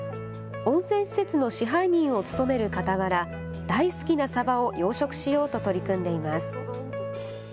温泉施設の支配人を務めるかたわら大好きなサバを養殖しようと取り組んでいます。